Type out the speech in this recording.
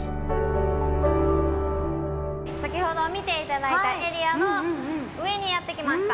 先ほど見て頂いたエリアの上にやって来ました。